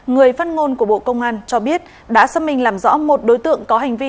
người phát ngôn của bộ công an cho biết đã xác minh làm rõ một đối tượng có hành vi